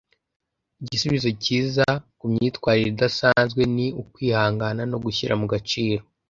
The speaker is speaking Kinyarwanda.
igisubizo cyiza ku myitwarire idasanzwe ni ukwihangana no gushyira mu gaciro